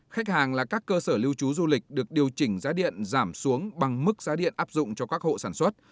khách hàng là các cơ sở lưu trú du lịch được điều chỉnh giá điện giảm xuống bằng mức giá điện áp dụng cho các hộ sản xuất